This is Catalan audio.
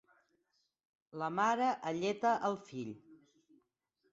La mare alleta el fill.